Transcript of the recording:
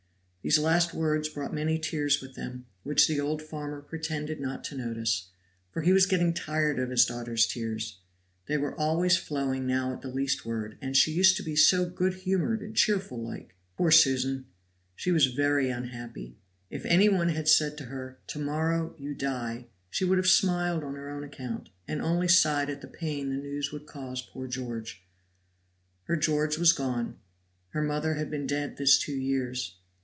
These last words brought many tears with them, which the old farmer pretended not to notice, for he was getting tired of his daughter's tears. They were always flowing now at the least word, "and she used to be so good humored and cheerful like." Poor Susan! she was very unhappy. If any one had said to her, "to morrow you die," she would have smiled on her own account, and only sighed at the pain the news would cause poor George. Her George was gone, her mother had been dead this two years.